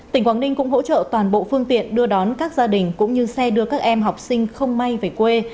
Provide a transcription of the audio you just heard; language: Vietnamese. tỉnh quảng ninh cũng hỗ trợ toàn bộ phương tiện đưa đón các gia đình cũng như xe đưa các em học sinh không may về quê